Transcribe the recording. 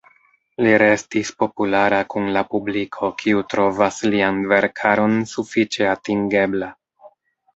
Li restis populara kun la publiko, kiu trovas lian verkaron sufiĉe atingebla.